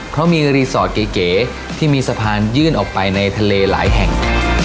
เพราะมีรีสอร์ทเก๋ที่มีสะพานยื่นออกไปในทะเลหลายแห่ง